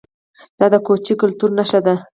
دا د کوچي کلتور نښه وه